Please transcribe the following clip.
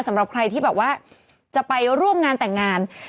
สำหรับใครที่แบบว่าจะไปร่วมงานแต่งงาน